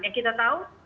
yang kita tahu